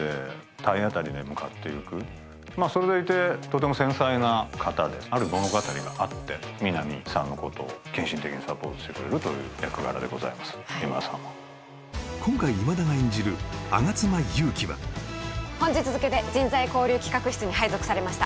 それでいてとても繊細な方である物語があって皆実さんのことを献身的にサポートしてくれるという役柄でございます今田さんは今回今田が演じる吾妻ゆうきは本日付で人材交流企画室に配属されました